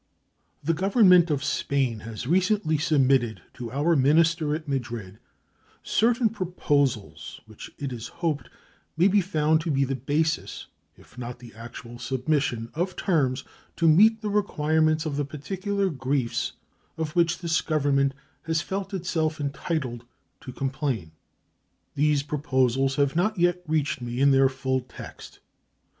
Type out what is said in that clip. The Government of Spain has recently submitted to our minister at Madrid certain proposals which it is hoped may be found to be the basis, if not the actual submission, of terms to meet the requirements of the particular griefs of which this Government has felt itself entitled to complain. These proposals have not yet reached me in their full text.